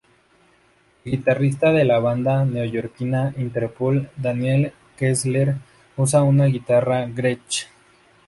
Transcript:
El guitarrista de la banda neoyorquina, Interpol, Daniel Kessler usa una guitarra Gretsch.